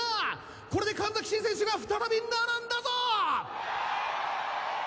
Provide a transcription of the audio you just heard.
これで神崎シン選手が再び並んだぞ！